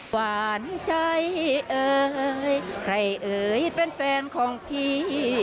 หวานใจเอ่ยใครเอ่ยเป็นแฟนของพี่